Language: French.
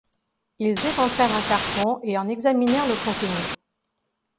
Ils éventrèrent un carton et en examinèrent le contenu.